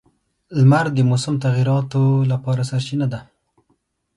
• لمر د موسم تغیراتو لپاره سرچینه ده.